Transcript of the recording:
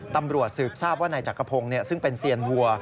ตำรวจสืบทราบว่านายจักรพงศ์ซึ่งเป็นเซียนวัว